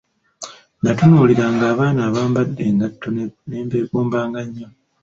Natunuuliranga abaana abambadde engatto ne mbegomba nnyo.